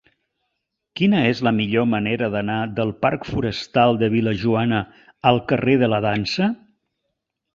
Quina és la millor manera d'anar del parc Forestal de Vil·lajoana al carrer de la Dansa?